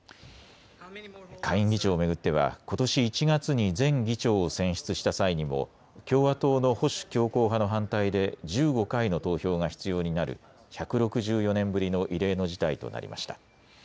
下院議長を巡ってはことし１月に前議長を選出した際にも共和党の保守強硬派の反対で１５回の投票が必要になる１６４年ぶりの異例の事態となりました。